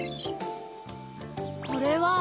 これは？